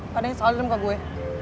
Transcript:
padahal lo ada dengerin ke gue